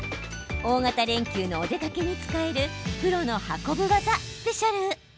大型連休のお出かけに使えるプロの運ぶ技スペシャル。